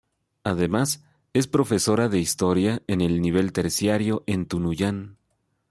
Además, es profesora de Historia en el nivel terciario en Tunuyán.